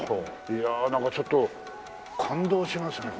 いやあなんかちょっと感動しますよね